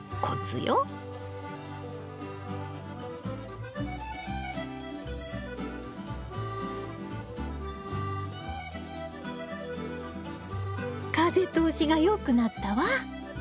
風通しがよくなったわ。